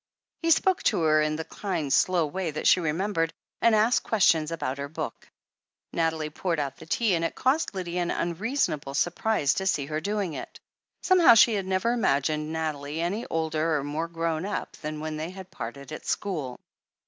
He spoke to her in the kind, slow way that she remem bered, and asked questions about her book. Nathalie poured out the tea, and it caused Lydia an unreasonable surprise to see her doing it. Somehow, she had never imagined Nathalie any older or more grown up than when they had parted at school.